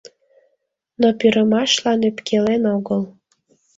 Но пӱрымашлан ӧпкелен огыл.